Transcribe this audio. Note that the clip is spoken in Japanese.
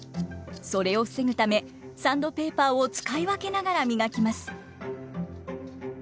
それを防ぐためサンドペーパーを使い分けながら磨きます。